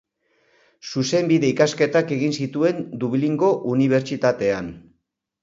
Zuzenbide-ikasketak egin zituen Dublingo Unibertsitatean.